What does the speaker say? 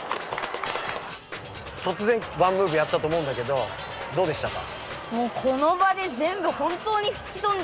とつぜん１ムーブやったと思うんだけどどうでしたか？